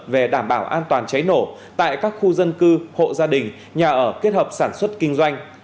về đảm bảo an toàn cháy nổ tại các khu dân cư hộ gia đình nhà ở kết hợp sản xuất kinh doanh